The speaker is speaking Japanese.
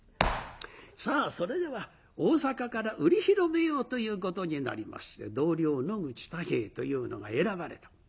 さあそれでは大坂から売り広めようということになりまして同僚野口太兵衛というのが選ばれた。